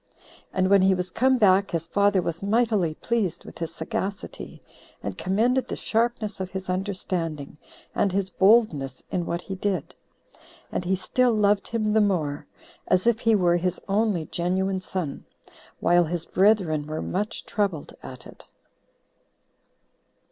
And when he was come back, his father was mightily pleased with his sagacity, and commended the sharpness of his understanding, and his boldness in what he did. And he still loved him the more, as if he were his only genuine son, while his brethren were much troubled at it.